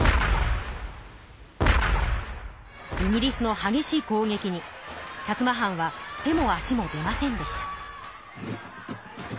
イギリスのはげしいこうげきに薩摩藩は手も足も出ませんでした。